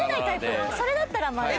それだったらまだ。